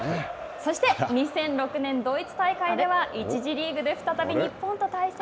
そして、２００６年、ドイツ大会では、１次リーグで再び日本と対戦。